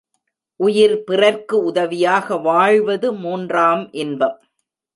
உயிர் பிறர்க்கு உதவியாக வாழ்வது மூன்றாம் இன்பம்.